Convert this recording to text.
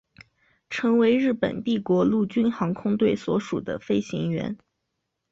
成为日本帝国陆军航空队所属的飞行员。